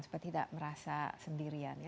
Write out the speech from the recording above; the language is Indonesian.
supaya tidak merasa sendirian ya